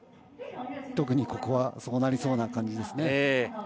特にここはそうなりそうな感じですね。